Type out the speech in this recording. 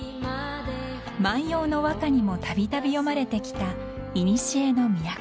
［万葉の和歌にもたびたび詠まれてきたいにしえの都］